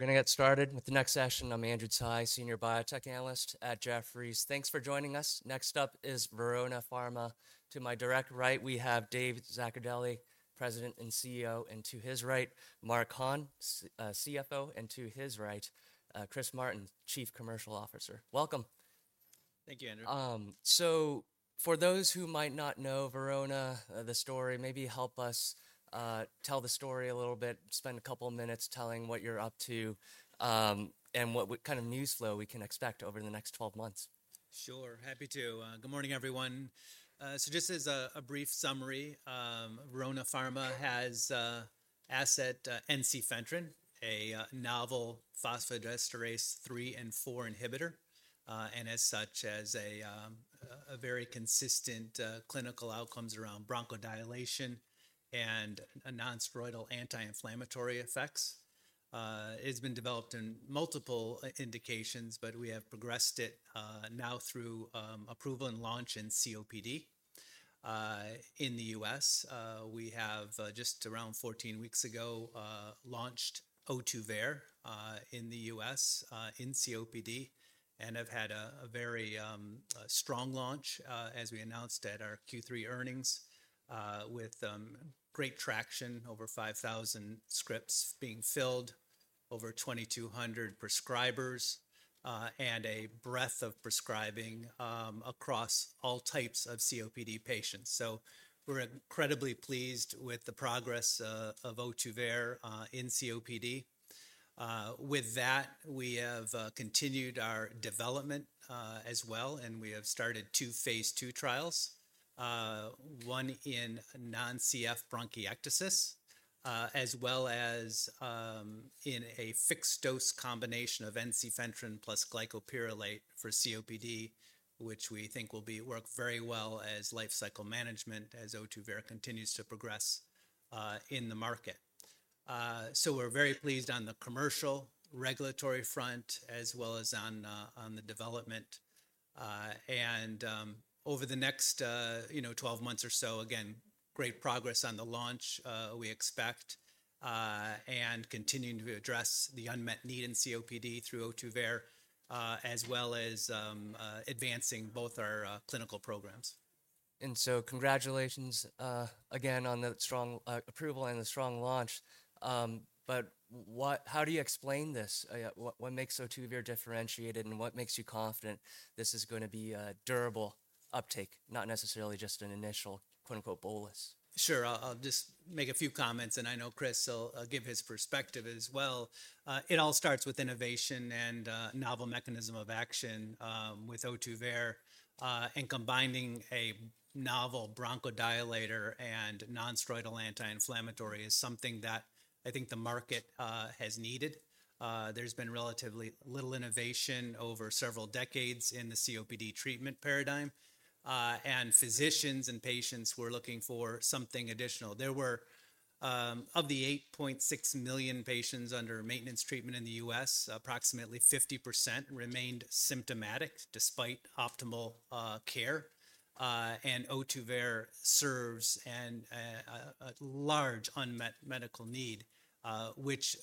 We're going to get started with the next session. I'm Andrew Tsai, Senior Biotech Analyst at Jefferies. Thanks for joining us. Next up is Verona Pharma. To my direct right, we have David Zaccardelli, President and CEO, and to his right, Mark Hahn, CFO, and to his right, Chris Martin, Chief Commercial Officer. Welcome. Thank you, Andrew. So, for those who might not know Verona, the story. Maybe help us tell the story a little bit. Spend a couple of minutes telling what you're up to and what kind of news flow we can expect over the next 12 months. Sure, happy to. Good morning, everyone. So just as a brief summary, Verona Pharma has asset ensifentrine, a novel phosphodiesterase 3 and 4 inhibitor, and as such has very consistent clinical outcomes around bronchodilation and nonsteroidal anti-inflammatory effects. It's been developed in multiple indications, but we have progressed it now through approval and launch in COPD in the US. We have just around 14 weeks ago launched Ohtuvayre in the US in COPD and have had a very strong launch as we announced at our Q3 earnings with great traction, over 5,000 scripts being filled, over 2,200 prescribers, and a breadth of prescribing across all types of COPD patients. So we're incredibly pleased with the progress of Ohtuvayre in COPD. With that, we have continued our development as well, and we have started two phase II trials, one in non-CF bronchiectasis as well as in a fixed-dose combination of ensifentrine plus glycopyrrolate for COPD, which we think will work very well as life cycle management as Ohtuvayre continues to progress in the market, so we're very pleased on the commercial regulatory front as well as on the development, and over the next 12 months or so, again, great progress on the launch we expect and continuing to address the unmet need in COPD through Ohtuvayre as well as advancing both our clinical programs. And so congratulations again on the strong approval and the strong launch. But how do you explain this? What makes Ohtuvayre differentiated and what makes you confident this is going to be a durable uptake, not necessarily just an initial "bolus"? Sure, I'll just make a few comments, and I know Chris will give his perspective as well. It all starts with innovation and a novel mechanism of action with Ohtuvayre, and combining a novel bronchodilator and nonsteroidal anti-inflammatory is something that I think the market has needed. There's been relatively little innovation over several decades in the COPD treatment paradigm, and physicians and patients were looking for something additional. There were, of the 8.6 million patients under maintenance treatment in the US, approximately 50% remained symptomatic despite optimal care. And Ohtuvayre serves a large unmet medical need, which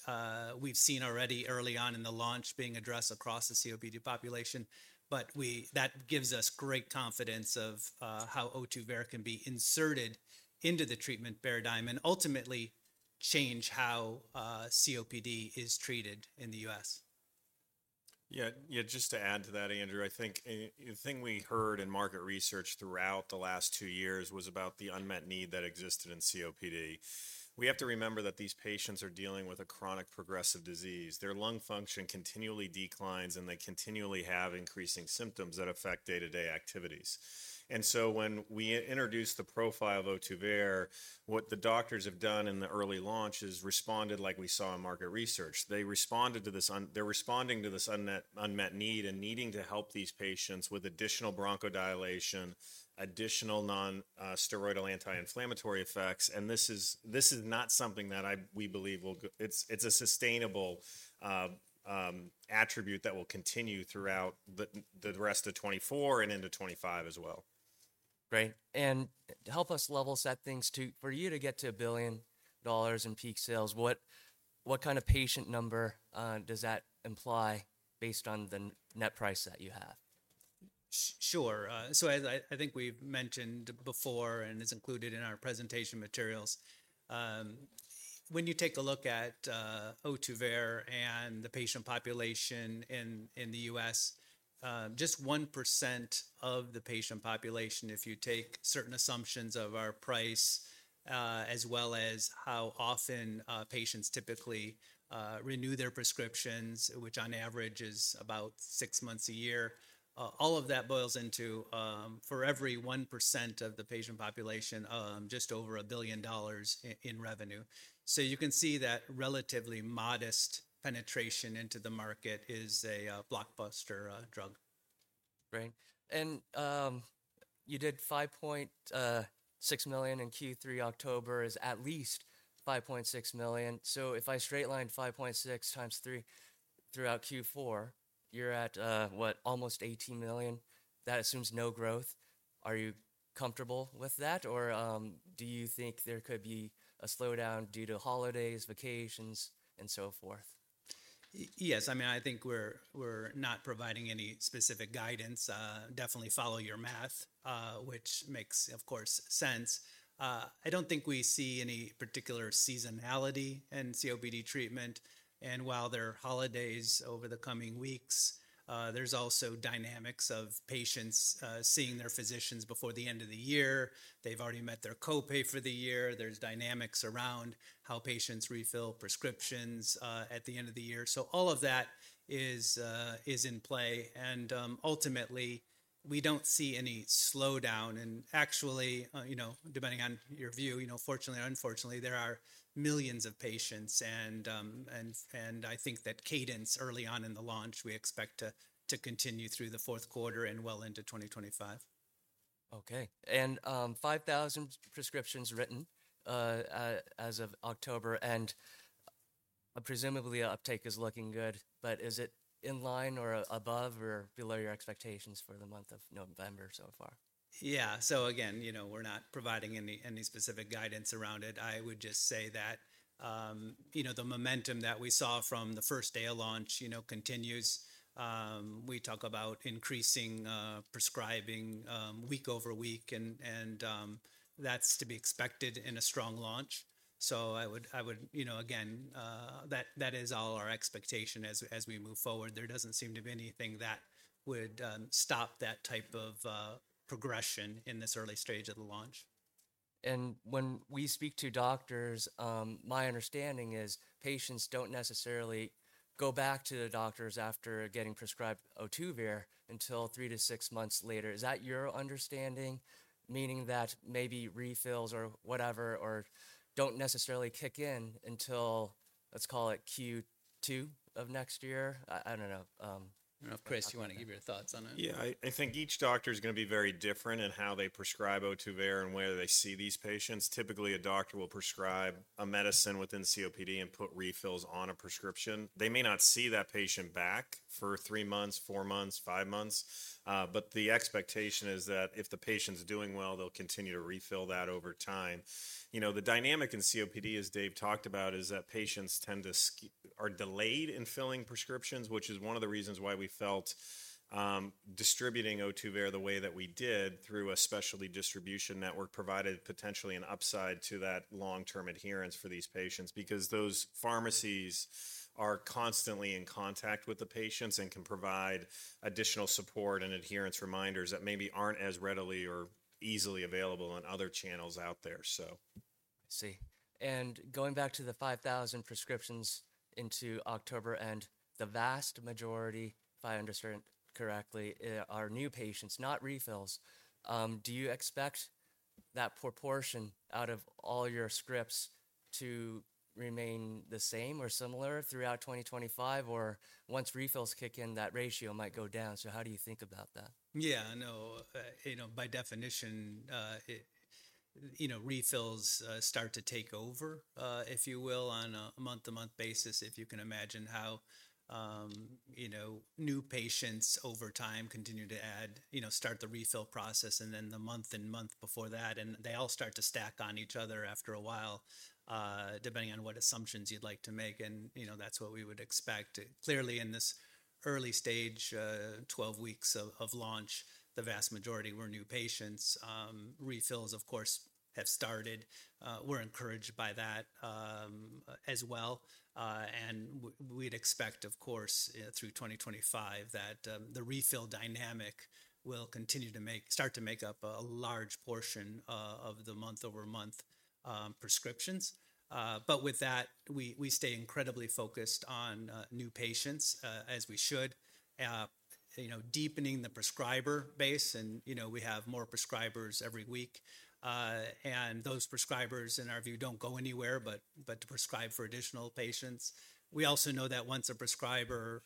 we've seen already early on in the launch being addressed across the COPD population. But that gives us great confidence of how Ohtuvayre can be inserted into the treatment paradigm and ultimately change how COPD is treated in the US. Yeah, just to add to that, Andrew, I think the thing we heard in market research throughout the last two years was about the unmet need that existed in COPD. We have to remember that these patients are dealing with a chronic progressive disease. Their lung function continually declines, and they continually have increasing symptoms that affect day-to-day activities. And so when we introduced the profile of Ohtuvayre, what the doctors have done in the early launch is responded like we saw in market research. They responded to this. They're responding to this unmet need and needing to help these patients with additional bronchodilation, additional nonsteroidal anti-inflammatory effects. And this is not something that we believe will. It's a sustainable attribute that will continue throughout the rest of 2024 and into 2025 as well. Great, and help us level set things too, for you to get to $1 billion in peak sales, what kind of patient number does that imply based on the net price that you have? Sure. So I think we've mentioned before and it's included in our presentation materials. When you take a look at Ohtuvayre and the patient population in the US, just 1% of the patient population, if you take certain assumptions of our price as well as how often patients typically renew their prescriptions, which on average is about six months a year, all of that boils into for every 1% of the patient population, just over $1 billion in revenue. So you can see that relatively modest penetration into the market is a blockbuster drug. Great. And you did $5.6 million in Q3. October is at least $5.6 million. So if I straight line 5.6 times 3 throughout Q4, you're at, what, almost $18 million. That assumes no growth. Are you comfortable with that, or do you think there could be a slowdown due to holidays, vacations, and so forth? Yes, I mean, I think we're not providing any specific guidance. Definitely follow your math, which makes, of course, sense. I don't think we see any particular seasonality in COPD treatment. And while there are holidays over the coming weeks, there's also dynamics of patients seeing their physicians before the end of the year. They've already met their copay for the year. There's dynamics around how patients refill prescriptions at the end of the year. So all of that is in play. And ultimately, we don't see any slowdown. And actually, depending on your view, fortunately or unfortunately, there are millions of patients. And I think that cadence early on in the launch, we expect to continue through the Q4 and well into 2025. Okay. And 5,000 prescriptions written as of October. And presumably, uptake is looking good, but is it in line or above or below your expectations for the month of November so far? Yeah. So again, we're not providing any specific guidance around it. I would just say that the momentum that we saw from the first day of launch continues. We talk about increasing prescribing week over week, and that's to be expected in a strong launch. So I would, again, that is all our expectation as we move forward. There doesn't seem to be anything that would stop that type of progression in this early stage of the launch. When we speak to doctors, my understanding is patients don't necessarily go back to the doctors after getting prescribed Ohtuvayre until three to six months later. Is that your understanding, meaning that maybe refills or whatever don't necessarily kick in until, let's call it, Q2 of next year? I don't know. Chris, you want to give your thoughts on it? Yeah, I think each doctor is going to be very different in how they prescribe Ohtuvayre and where they see these patients. Typically, a doctor will prescribe a medicine within COPD and put refills on a prescription. They may not see that patient back for three months, four months, five months. But the expectation is that if the patient's doing well, they'll continue to refill that over time. The dynamic in COPD, as Dave talked about, is that patients tend to are delayed in filling prescriptions, which is one of the reasons why we felt distributing Ohtuvayre the way that we did through a specialty distribution network provided potentially an upside to that long-term adherence for these patients because those pharmacies are constantly in contact with the patients and can provide additional support and adherence reminders that maybe aren't as readily or easily available on other channels out there. I see. And going back to the 5,000 prescriptions into October and the vast majority, if I understand correctly, are new patients, not refills. Do you expect that proportion out of all your scripts to remain the same or similar throughout 2025, or once refills kick in, that ratio might go down? So how do you think about that? Yeah, no, by definition, refills start to take over, if you will, on a month-to-month basis, if you can imagine how new patients over time continue to add, start the refill process, and then the month and month before that. And they all start to stack on each other after a while, depending on what assumptions you'd like to make. And that's what we would expect. Clearly, in this early stage, 12 weeks of launch, the vast majority were new patients. Refills, of course, have started. We're encouraged by that as well. And we'd expect, of course, through 2025, that the refill dynamic will continue to start to make up a large portion of the month-over-month prescriptions. But with that, we stay incredibly focused on new patients, as we should, deepening the prescriber base. And we have more prescribers every week. And those prescribers, in our view, don't go anywhere but to prescribe for additional patients. We also know that once a prescriber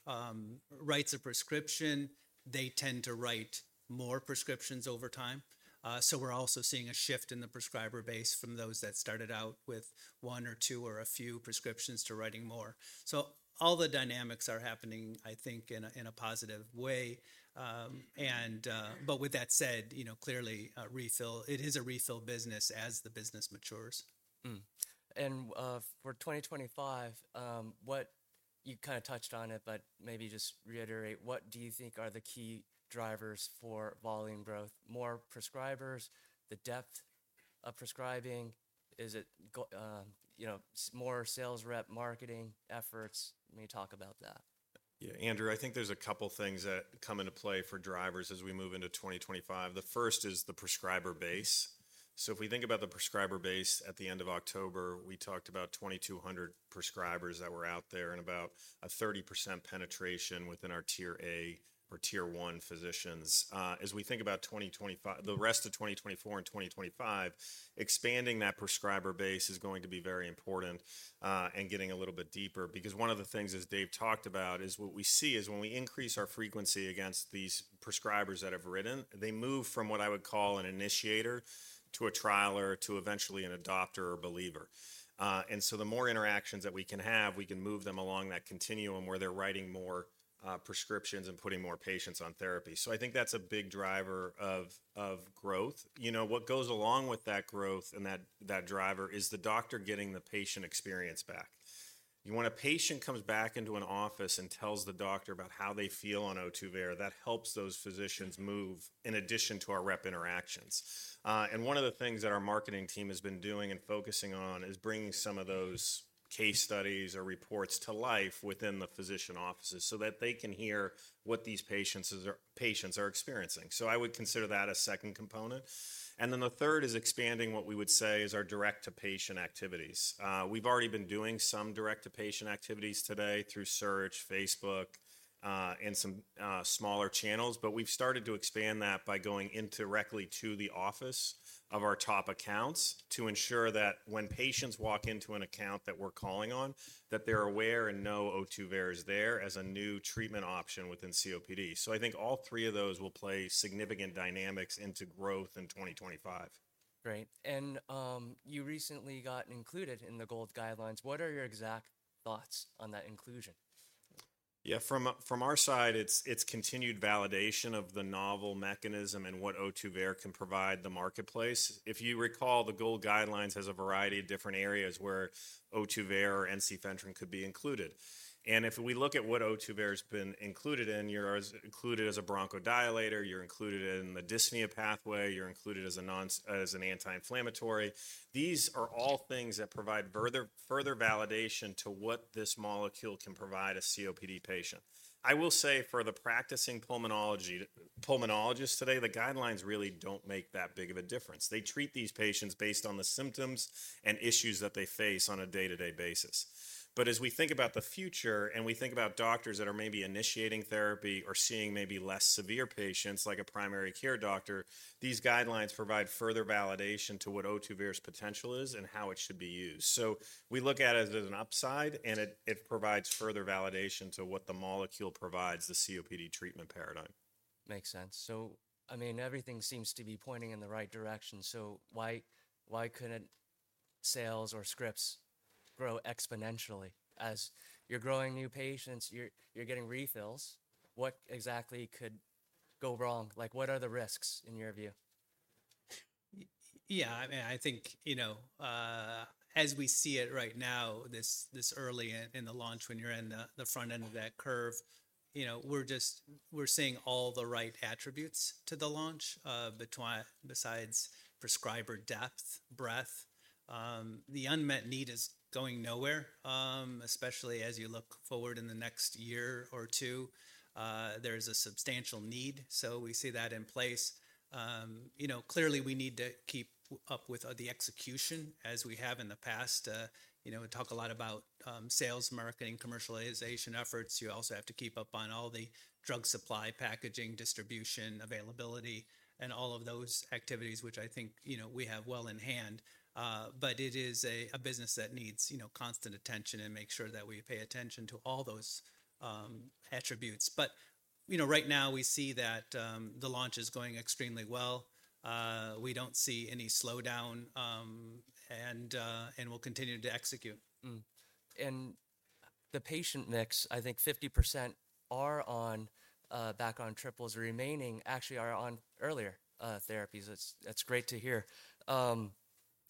writes a prescription, they tend to write more prescriptions over time. So we're also seeing a shift in the prescriber base from those that started out with one or two or a few prescriptions to writing more. So all the dynamics are happening, I think, in a positive way. But with that said, clearly, refill, it is a refill business as the business matures. And for 2025, what you kind of touched on it, but maybe just reiterate, what do you think are the key drivers for volume growth? More prescribers, the depth of prescribing, is it more sales rep marketing efforts? Let me talk about that. Yeah, Andrew, I think there's a couple of things that come into play for drivers as we move into 2025. The first is the prescriber base. So if we think about the prescriber base at the end of October, we talked about 2,200 prescribers that were out there and about a 30% penetration within our tier A or tier one physicians. As we think about the rest of 2024 and 2025, expanding that prescriber base is going to be very important and getting a little bit deeper because one of the things as Dave talked about is what we see is when we increase our frequency against these prescribers that have written, they move from what I would call an initiator to a trial or to eventually an adopter or believer. And so the more interactions that we can have, we can move them along that continuum where they're writing more prescriptions and putting more patients on therapy. So I think that's a big driver of growth. What goes along with that growth and that driver is the doctor getting the patient experience back. You want a patient who comes back into an office and tells the doctor about how they feel on Ohtuvayre. That helps those physicians move in addition to our rep interactions. And one of the things that our marketing team has been doing and focusing on is bringing some of those case studies or reports to life within the physician offices so that they can hear what these patients are experiencing. So I would consider that a second component. And then the third is expanding what we would say is our direct-to-patient activities. We've already been doing some direct-to-patient activities today through search, Facebook, and some smaller channels, but we've started to expand that by going indirectly to the office of our top accounts to ensure that when patients walk into an account that we're calling on, that they're aware and know Ohtuvayre is there as a new treatment option within COPD. So I think all three of those will play significant dynamics into growth in 2025. Great. And you recently got included in the GOLD guidelines. What are your exact thoughts on that inclusion? Yeah, from our side, it's continued validation of the novel mechanism and what Ohtuvayre can provide the marketplace. If you recall, the GOLD guidelines has a variety of different areas where Ohtuvayre or ensifentrine could be included, and if we look at what Ohtuvayre has been included in, you're included as a bronchodilator, you're included in the dyspnea pathway, you're included as an anti-inflammatory. These are all things that provide further validation to what this molecule can provide a COPD patient. I will say for the practicing pulmonologists today, the guidelines really don't make that big of a difference. They treat these patients based on the symptoms and issues that they face on a day-to-day basis. But as we think about the future and we think about doctors that are maybe initiating therapy or seeing maybe less severe patients like a primary care doctor, these guidelines provide further validation to what Ohtuvayre's potential is and how it should be used. So we look at it as an upside, and it provides further validation to what the molecule provides the COPD treatment paradigm. Makes sense. So I mean, everything seems to be pointing in the right direction. So why couldn't sales or scripts grow exponentially? As you're growing new patients, you're getting refills. What exactly could go wrong? What are the risks in your view? Yeah, I mean, I think as we see it right now, this early in the launch when you're in the front end of that curve, we're seeing all the right attributes to the launch besides prescriber depth, breadth. The unmet need is going nowhere, especially as you look forward in the next year or two. There is a substantial need. So we see that in place. Clearly, we need to keep up with the execution as we have in the past. We talk a lot about sales, marketing, commercialization efforts. You also have to keep up on all the drug supply packaging, distribution, availability, and all of those activities, which I think we have well in hand. But it is a business that needs constant attention and makes sure that we pay attention to all those attributes. But right now, we see that the launch is going extremely well. We don't see any slowdown, and we'll continue to execute. And the patient mix, I think 50% are back on triples, remaining actually are on earlier therapies. That's great to hear.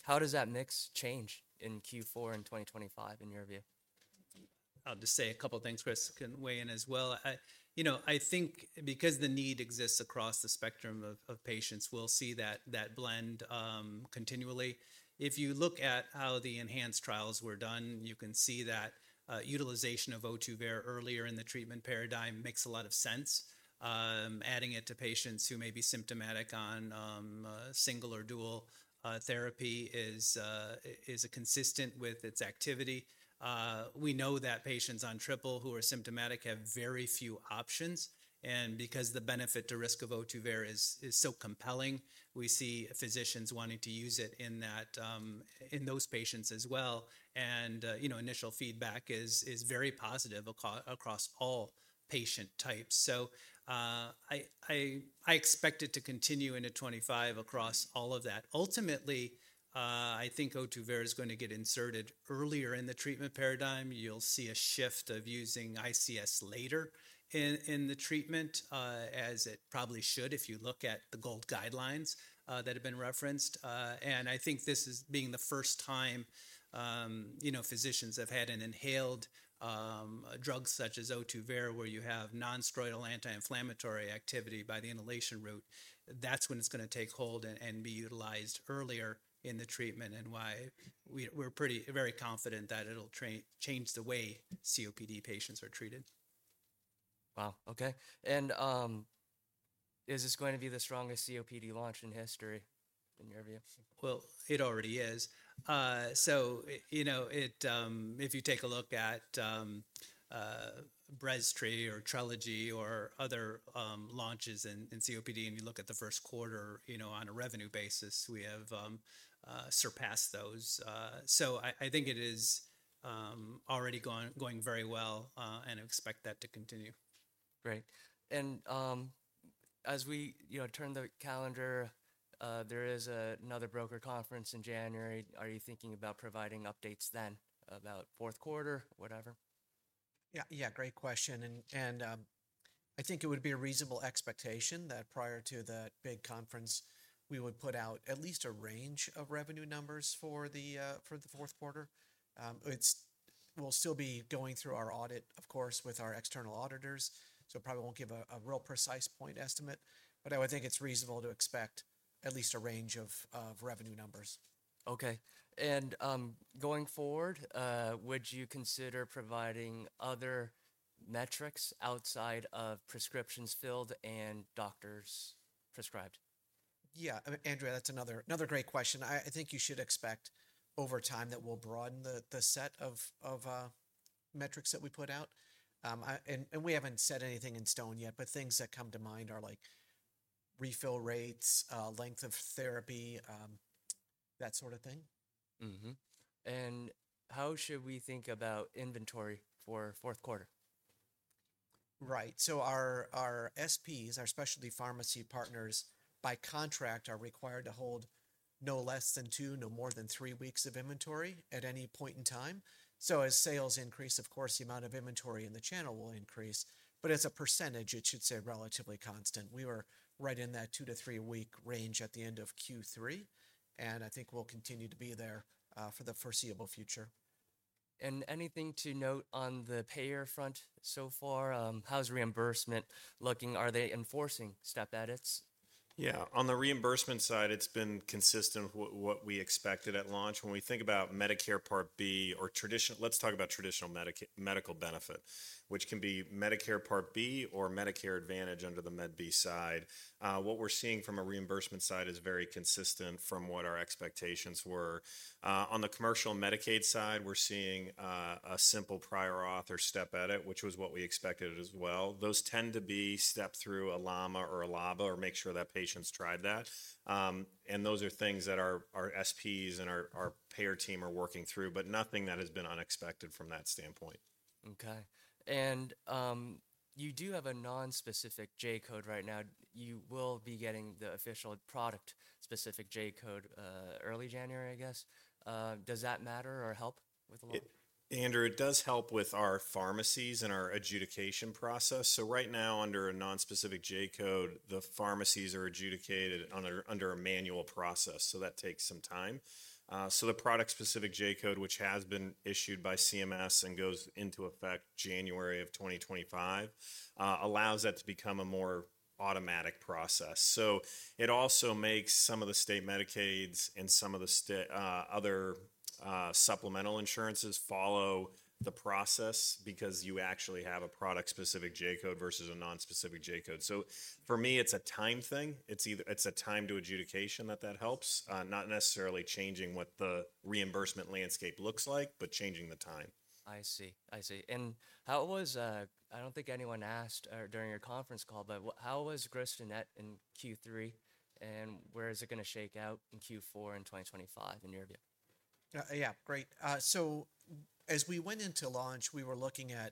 How does that mix change in Q4 and 2025 in your view? I'll just say a couple of things. Chris can weigh in as well. I think because the need exists across the spectrum of patients, we'll see that blend continually. If you look at how the ENHANCE trials were done, you can see that utilization of Ohtuvayre earlier in the treatment paradigm makes a lot of sense. Adding it to patients who may be symptomatic on single or dual therapy is consistent with its activity. We know that patients on triple who are symptomatic have very few options. And because the benefit to risk of Ohtuvayre is so compelling, we see physicians wanting to use it in those patients as well. And initial feedback is very positive across all patient types. So I expect it to continue into 2025 across all of that. Ultimately, I think Ohtuvayre is going to get inserted earlier in the treatment paradigm. You'll see a shift of using ICS later in the treatment, as it probably should if you look at the GOLD guidelines that have been referenced. I think this is being the first time physicians have had an inhaled drug such as Ohtuvayre where you have nonsteroidal anti-inflammatory activity by the inhalation route. That's when it's going to take hold and be utilized earlier in the treatment. We're very confident that it'll change the way COPD patients are treated. Wow. Okay, and is this going to be the strongest COPD launch in history in your view? Well, it already is. So if you take a look at Breztri or Trelegy or other launches in COPD, and you look at the Q1 on a revenue basis, we have surpassed those. So I think it is already going very well, and I expect that to continue. Great. And as we turn the calendar, there is another broker conference in January. Are you thinking about providing updates then about Q4, whatever? Yeah, yeah, great question. And I think it would be a reasonable expectation that prior to that big conference, we would put out at least a range of revenue numbers for the Q4. It will still be going through our audit, of course, with our external auditors. So it probably won't give a real precise point estimate. But I would think it's reasonable to expect at least a range of revenue numbers. Okay. And going forward, would you consider providing other metrics outside of prescriptions filled and doctors prescribed? Yeah, Andrew, that's another great question. I think you should expect over time that we'll broaden the set of metrics that we put out, and we haven't said anything set in stone yet, but things that come to mind are like refill rates, length of therapy, that sort of thing. How should we think about inventory for Q4? Right, so our SPs, our specialty pharmacy partners, by contract, are required to hold no less than two, no more than three weeks of inventory at any point in time, so as sales increase, of course, the amount of inventory in the channel will increase, but as a percentage, it should stay relatively constant. We were right in that two- to three-week range at the end of Q3, and I think we'll continue to be there for the foreseeable future. Anything to note on the payer front so far? How's reimbursement looking? Are they enforcing step edits? Yeah. On the reimbursement side, it's been consistent with what we expected at launch. When we think about Medicare Part B or traditional, let's talk about traditional medical benefit, which can be Medicare Part B or Medicare Advantage under the Med B side. What we're seeing from a reimbursement side is very consistent from what our expectations were. On the commercial Medicaid side, we're seeing a simple prior authorization step edit, which was what we expected as well. Those tend to be step through a LAMA or a LABA or make sure that patient's tried that. And those are things that our SPs and our payer team are working through, but nothing that has been unexpected from that standpoint. Okay, and you do have a non-specific J code right now. You will be getting the official product-specific J code early January, I guess. Does that matter or help with a lot? Andrew, it does help with our pharmacies and our adjudication process. So right now, under a non-specific J code, the pharmacies are adjudicated under a manual process. So that takes some time. So the product-specific J code, which has been issued by CMS and goes into effect January of 2025, allows that to become a more automatic process. So it also makes some of the state Medicaids and some of the other supplemental insurances follow the process because you actually have a product-specific J code versus a non-specific J code. So for me, it's a time thing. It's a time to adjudication that helps, not necessarily changing what the reimbursement landscape looks like, but changing the time. I see. I see. And how was, I don't think anyone asked during your conference call, but how was gross net in Q3? And where is it going to shake out in Q4 in 2025 in your view? Yeah, great. So as we went into launch, we were looking at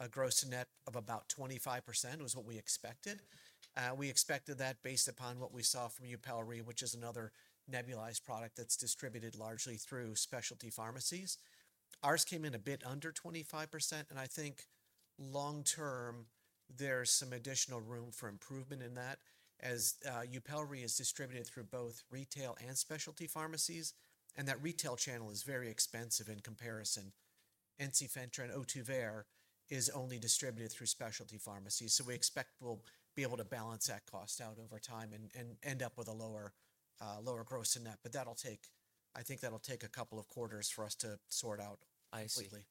a gross-to-net of about 25% was what we expected. We expected that based upon what we saw from Yupelri, which is another nebulized product that's distributed largely through specialty pharmacies. Ours came in a bit under 25%. And I think long-term, there's some additional room for improvement in that as Yupelri is distributed through both retail and specialty pharmacies. And that retail channel is very expensive in comparison. Ensifentrine Ohtuvayre is only distributed through specialty pharmacies. So we expect we'll be able to balance that cost out over time and end up with a lower gross-to-net. But I think that'll take a couple of quarters for us to sort out completely.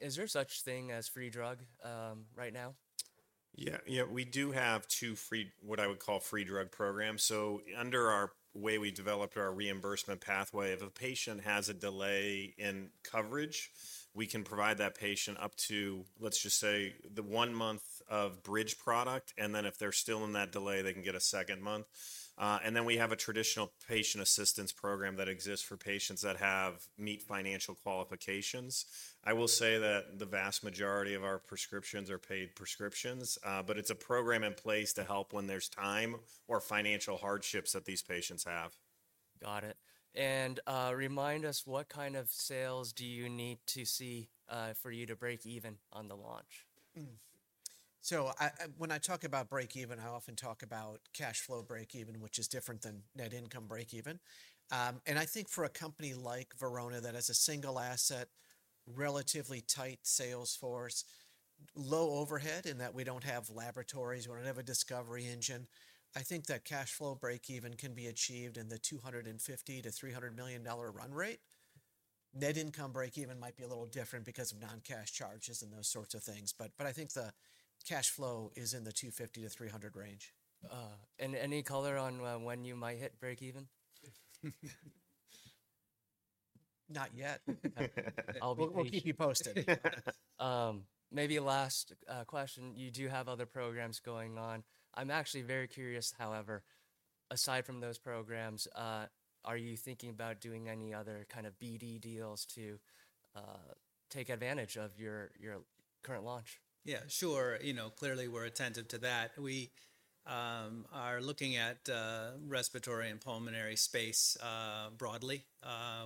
Is there such a thing as free drug right now? Yeah. Yeah, we do have two free, what I would call, free drug programs. So, the way we developed our reimbursement pathway, if a patient has a delay in coverage, we can provide that patient up to, let's just say, one month of bridge product. And then if they're still in that delay, they can get a second month. And then we have a traditional patient assistance program that exists for patients that meet financial qualifications. I will say that the vast majority of our prescriptions are paid prescriptions, but it's a program in place to help when there's time or financial hardships that these patients have. Got it. And remind us, what kind of sales do you need to see for you to break even on the launch? So when I talk about break even, I often talk about cash flow break even, which is different than net income break even. And I think for a company like Verona that has a single asset, relatively tight sales force, low overhead in that we don't have laboratories, we don't have a discovery engine, I think that cash flow break even can be achieved in the $250-$300 million run rate. Net income break even might be a little different because of non-cash charges and those sorts of things. But I think the cash flow is in the $250-$300 range. Any color on when you might hit break even? Not yet. We'll keep you posted. Maybe last question, you do have other programs going on. I'm actually very curious, however, aside from those programs, are you thinking about doing any other kind of BD deals to take advantage of your current launch? Yeah, sure. Clearly, we're attentive to that. We are looking at respiratory and pulmonary space broadly.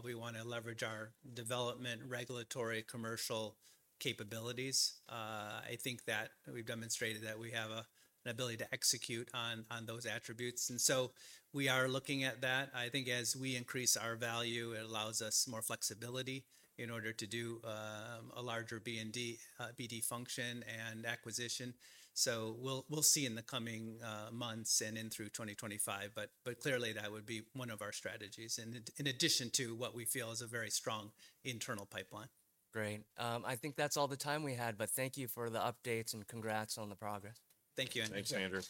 We want to leverage our development regulatory commercial capabilities. I think that we've demonstrated that we have an ability to execute on those attributes. And so we are looking at that. I think as we increase our value, it allows us more flexibility in order to do a larger BD, BD function and acquisition. So we'll see in the coming months and in through 2025. But clearly, that would be one of our strategies in addition to what we feel is a very strong internal pipeline. Great. I think that's all the time we had, but thank you for the updates and congrats on the progress. Thank you. Thanks, Andrew.